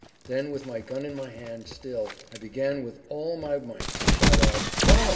Then, with my gun in my hand still, I began with all my might to shout out, 'Rolf!"